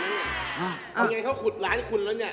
บางอย่างเค้าขุดร้านคุณแล้วเนี่ย